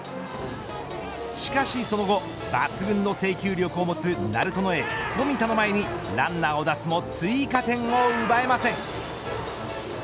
しかしその後抜群の制球力を持つ鳴門のエース冨田の前にランナーを出すも追加点を奪えません。